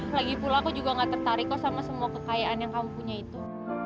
lagi pula aku juga gak tertarik kok sama semua kekayaan yang kamu punya itu